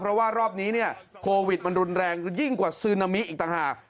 เพราะว่ารอบนี้เนี่ยโควิดมันรุนแรงยิ่งกว่าซึนามิอีกต่างหาก